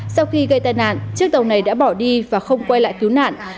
sau khi gây tai nạn chiếc tàu này đã bỏ đi và không quay lại cứu nạn